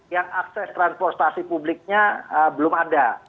yang akses transportasi publiknya belum ada